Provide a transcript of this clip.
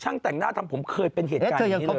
แต่งหน้าทำผมเคยเป็นเหตุการณ์อย่างนี้เลย